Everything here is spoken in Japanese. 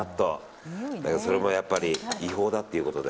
それもやっぱり違法だっていうことで。